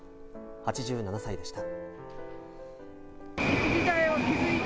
８７歳でした。